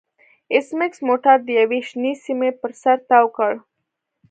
ایس میکس موټر د یوې شنې سیمې پر سر تاو کړ